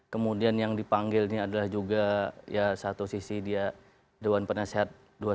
kemudian yang dipanggil ini adalah juga ya satu sisi dia dewan penasehat dua ratus dua belas